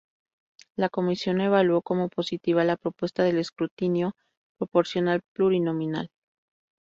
La comisión evaluó como positiva la propuesta del escrutinio proporcional plurinominal.